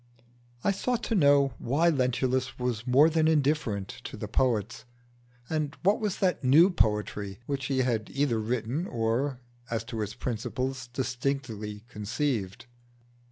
I sought to know why Lentulus was more than indifferent to the poets, and what was that new poetry which he had either written or, as to its principles, distinctly conceived.